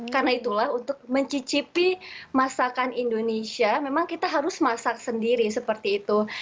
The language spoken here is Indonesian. karena itulah untuk mencicipi masakan indonesia memang kita harus masak sendiri seperti itu